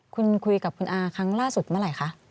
คุณคุยกับคุณอาครั้งล่าสุดเมื่อไหร่คะ